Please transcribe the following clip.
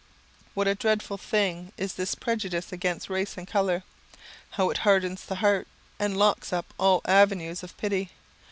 What a dreadful thing is this prejudice against race and colour! How it hardens the heart, and locks up all the avenues of pity!